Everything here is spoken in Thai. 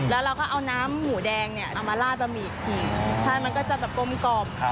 แล้วเราก็เอาน้ำหมูแดงเนี่ยเอามาลาดบะหมี่อีกทีใช่มันก็จะแบบกลมกล่อม